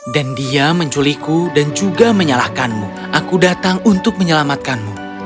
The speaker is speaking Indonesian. dan dia menculikku dan juga menyalahkanmu aku datang untuk menyelamatkanmu